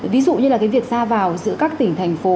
ví dụ như là cái việc ra vào giữa các tỉnh thành phố